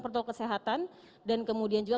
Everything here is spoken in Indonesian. protokol kesehatan dan kemudian juga